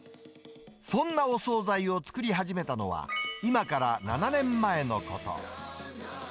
そんなお総菜を作り始めたのは、今から７年前のこと。